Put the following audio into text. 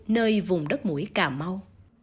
nơi vùng đất mũi cà mau